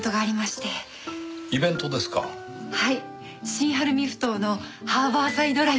新晴海埠頭のハーバーサイド・ライブです。